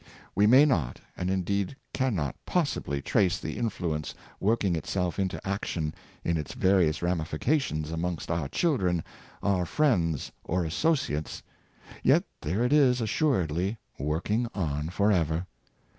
We may not, and indeed can not, possibly, trace the influence work ing itsdf into action in its various ramifications amongst our children, our friends, or associates; yet there it is assuredly, working on forever.